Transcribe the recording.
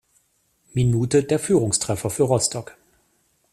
Minute der Führungstreffer für Rostock.